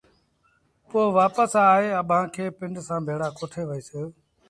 پوء وآپس آئي اڀآنٚ کي پنڊ سآݩٚ ڀيڙآ ڪوٺي وهيٚس